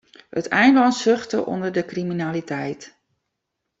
It eilân suchte ûnder de kriminaliteit.